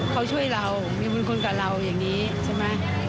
เขาช่วยเรามีบุญคุณกับเราอย่างนี้ใช่ไหม